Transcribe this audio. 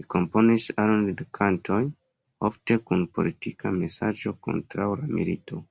Li komponis aron da kantoj, ofte kun politika mesaĝo kontraŭ la milito.